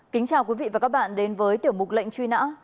kính chào quý vị và các bạn đến với tiểu mục lệnh truy nã